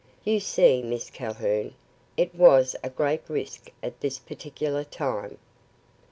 You see, Miss Calhoun, it was a great risk at this particular time.